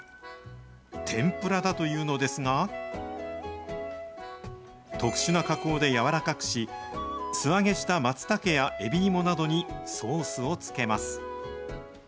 天ぷらだというのですが、特殊な加工で軟らかくし、素揚げしたマツタケやエビ芋などにソースをつけます。